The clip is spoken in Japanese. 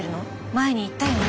前に言ったよね。